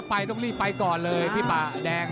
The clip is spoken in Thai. ต้องรีบไปก่อนเลยพี่ป่าแดง